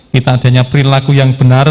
kita adanya perilaku yang benar